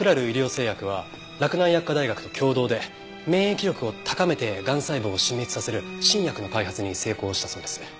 製薬は洛南薬科大学と共同で免疫力を高めてがん細胞を死滅させる新薬の開発に成功したそうです。